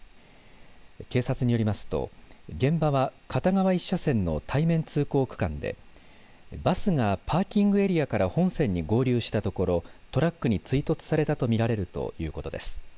警察によりますと現場は片側１車線の対面通行区間でバスがパーキングエリアから本線に合流したところトラックに追突されたと見られるということです。